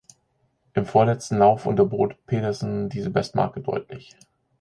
Im vorletzten Lauf unterbot Pedersen diese Bestmarke deutlich.